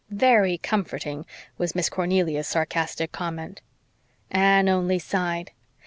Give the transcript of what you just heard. "Very comforting," was Miss Cornelia's sarcastic comment. Anne only sighed.